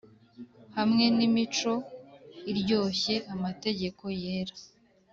hamwe nimico iryoshye, amategeko yera.